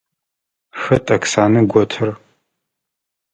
Хэт Оксанэ готыр?